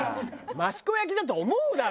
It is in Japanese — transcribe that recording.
益子焼だと思うだろ！